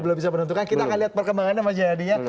belum bisa menentukan kita akan lihat perkembangannya